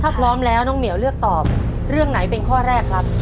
ถ้าพร้อมแล้วน้องเหมียวเลือกตอบเรื่องไหนเป็นข้อแรกครับ